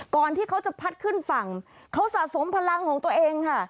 ที่เขาจะพัดขึ้นฝั่งเขาสะสมพลังของตัวเองค่ะ